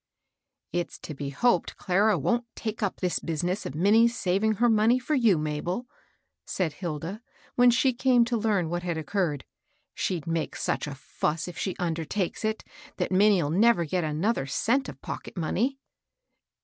" It's to be hoped Clara wont take up this busi ness of Minnie's saving her money for you, Mabel," said Hilda, when she came to learn what had occurred. "She'd make such a foss, if she undertakes it, that Minnie'U never get another cent of pocket money."